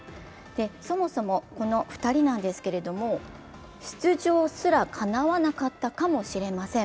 そもそもこの２人なんですけれども出場すら、かなわなかったかもしれません。